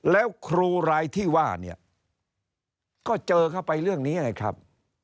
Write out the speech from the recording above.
แล้วครูรายที่ว่าเนี่ยก็เจอเข้าไปเรื่องนี้ไงครับ